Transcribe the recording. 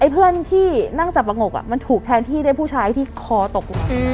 เพื่อนที่นั่งสะปะงกมันถูกแทนผู้ชายที่คอตก